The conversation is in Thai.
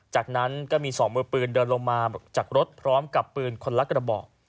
จากนั้นก็มีสองมือปืนเดินลงมาจากรถพร้อมกับปืนคนละกระบอก